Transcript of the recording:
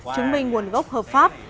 chứng minh nguồn gốc hợp pháp